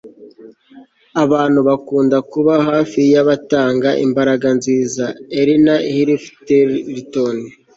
abantu bakunda kuba hafi y'abatanga imbaraga nziza. - erin heatherton